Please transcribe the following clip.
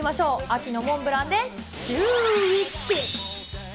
秋のモンブランでシューＷｈｉｃｈ。